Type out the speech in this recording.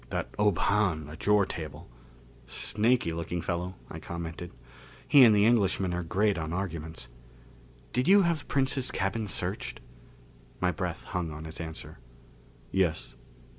That Ob Hahn, at your table " "Snaky looking fellow," I commented. "He and the Englishman are great on arguments. Did you have Princes' cabin searched?" My breath hung on his answer. "Yes.